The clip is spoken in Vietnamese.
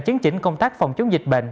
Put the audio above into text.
chứng chỉnh công tác phòng chống dịch bệnh